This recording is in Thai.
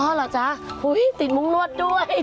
อ๋อเหรอจ๊ะติดมุ้งนวดด้วยดีจัง